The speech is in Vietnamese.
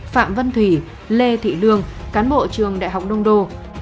phạm vân thủy lê thị lương cán bộ trường đại học đông đô